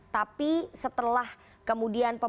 tapi setelah kemudian penanganan covid sembilan belas